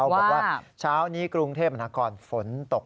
บอกว่าเช้านี้กรุงเทพมนาคอนฝนตก